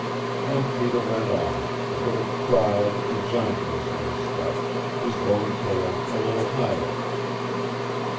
And Peter went on, a bit of pride and jauntiness in his step, his bony tail a little higher.